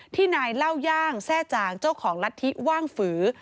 ที่นายเล่าย่างแทร่จ่างเจ้าของลัทธิว่างฝือ